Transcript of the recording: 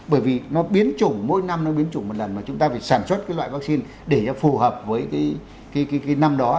bởi vì nó biến chủng mỗi năm nó biến chủng một lần mà chúng ta phải sản xuất cái loại vaccine để cho phù hợp với cái năm đó